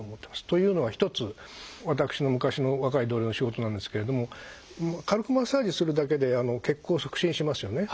というのは一つ私の昔の若い同僚の仕事なんですけれども軽くマッサージするだけで血行促進しますよね。